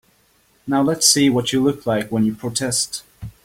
Now let's see what you look like when you protest.